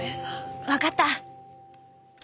分かった。